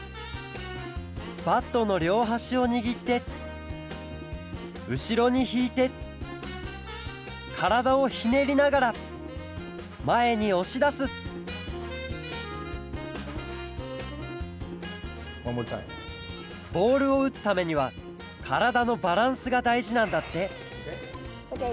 バットのりょうはしをにぎってうしろにひいてからだをひねりながらまえにおしだすボールをうつためにはからだのバランスがだいじなんだってオーケー！